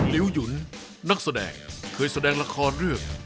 ลิ้วหยุนนักแสดงเคยแสดงละครเรื่อง